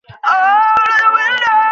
তিনি দামেস্কে মৃত্যুবরণ করেন।